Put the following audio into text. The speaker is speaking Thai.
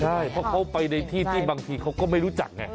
ใช่เพราะเขาไปในที่ที่บางทีเขาก็ไม่รู้จักไง